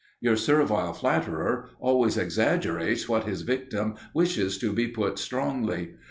Your servile flatterer always exaggerates what his victim wishes to be put strongly.